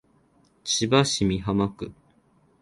千葉市美浜区